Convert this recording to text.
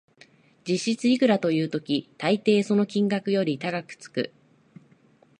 実質いくらという時、たいていその金額より高くつく